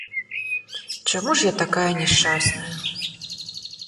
І чаму ж я такая няшчасная?